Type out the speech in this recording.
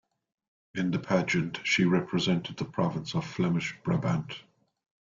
In the pageant she represented the province of Flemish Brabant.